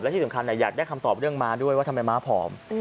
ที่สำคัญอยากได้คำตอบเรื่องม้าด้วยว่าทำไมม้าผอม